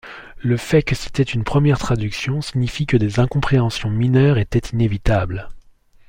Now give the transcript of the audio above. Le fait que c'était une première traduction signifie que des incompréhensions mineures étaient inévitables.